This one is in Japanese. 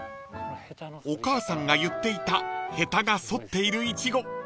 ［お母さんが言っていたへたが反っているイチゴ］